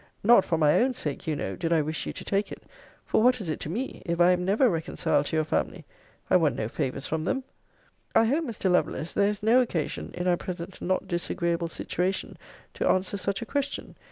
Not for my own sake, you know, did I wish you to take it; for what is it to me, if I am never reconciled to your family? I want no favours from them. I hope, Mr. Lovelace, there is no occasion, in our present not disagreeable situation, to answer such a question.